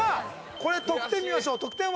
これ得点見ましょう得点は？